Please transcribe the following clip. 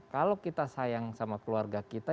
kalau kita sayang sama keluarga kita